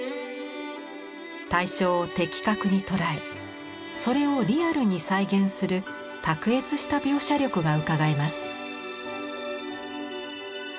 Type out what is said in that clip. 対象を的確に捉えそれをリアルに再現する卓越した描写力がうかがえます。